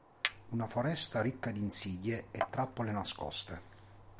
Una foresta ricca di insidie e trappole nascoste.